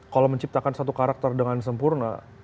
kalau menciptakan satu karakter dengan sempurna